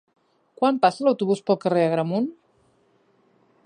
Quan passa l'autobús pel carrer Agramunt?